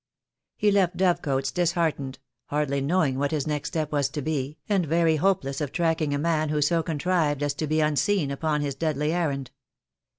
He left Dovecotes disheartened, hardly knowing what his next step was to be, and very hopeless of tracking a man who so contrived as to be unseen upon his deadly errand.